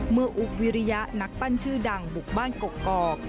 อุ๊บวิริยะนักปั้นชื่อดังบุกบ้านกกอก